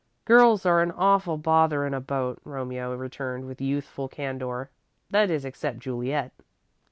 "Girls are an awful bother in a boat," Romeo returned, with youthful candour. "That is, except Juliet."